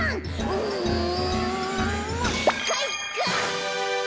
うんかいか！